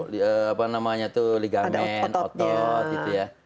ligamen otot gitu ya